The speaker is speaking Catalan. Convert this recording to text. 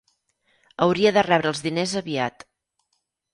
Hauria de rebre els diners aviat.